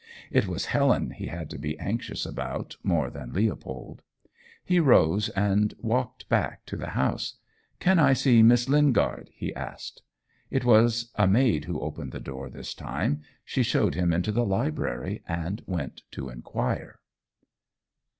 It was Helen he had to be anxious about more than Leopold. He rose and walked back to the house. "Can I see Miss Lingard?" he asked. It was a maid who opened the door this time. She showed him into the library, and went to inquire.